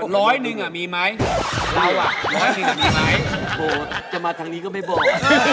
ร้อยหนึ่งอะมีมั้ยร้อยหนึ่งอะมีมั้ยโหจะมาทางนี้ก็ไม่บอก